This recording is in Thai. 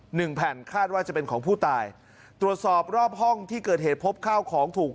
หนึ่งแผ่นคาดว่าจะเป็นของผู้ตายตรวจสอบรอบห้องที่เกิดเหตุพบข้าวของถูก